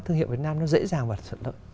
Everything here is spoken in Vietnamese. thương hiệu việt nam nó dễ dàng và thuận lợi